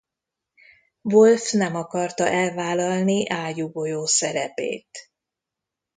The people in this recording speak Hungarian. Wolff nem akarta elvállalni ágyúgolyó szerepét.